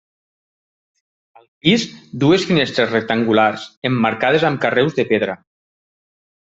Al pis, dues finestres rectangulars, emmarcades amb carreus de pedra.